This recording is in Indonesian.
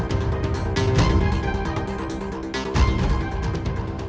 tidak ada yang bisa diberikan kepadamu